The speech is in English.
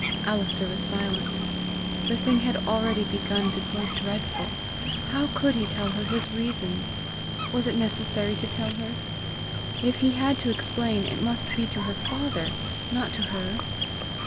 Alister was silent. The thing had already begun to grow dreadful! How could he tell her his reasons! Was it necessary to tell her? If he had to explain, it must be to her father, not to her!